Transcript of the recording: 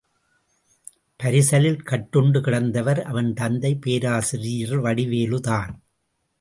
பரிசலில் கட்டுண்டு கிடந்தவர் அவன் தந்தை பேராசிரியர் வடிவேலுதான்.